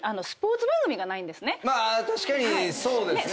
まあ確かにそうですね。